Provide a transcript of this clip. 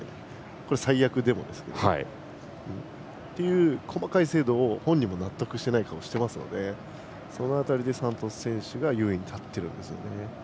これは最悪でもですね。という細かい精度を本人も納得していない顔をしていますのでその辺りでサントス選手が優位となってるんですよね。